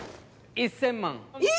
１，０００万